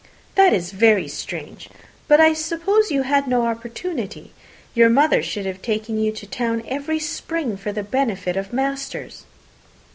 "That is very strange. But I suppose you had no opportunity. Your mother should have taken you to town every spring for the benefit of masters."